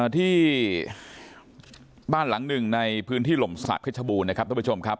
ที่บ้านหลังหนึ่งในพื้นที่หล่มศักดิชบูรณนะครับท่านผู้ชมครับ